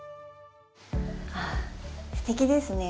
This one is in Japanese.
あすてきですね。